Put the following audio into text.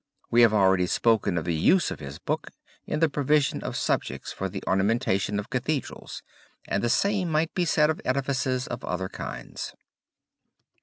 We have already spoken of the use of his book in the provision of subjects for the ornamentation of Cathedrals and the same thing might be said of edifices of other kinds.